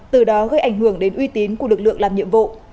từ đó gây ảnh hưởng đến uy tín của lực lượng làm nhiệm vụ